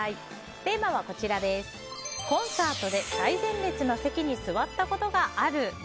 テーマは、コンサートで最前列の席に座ったことがある。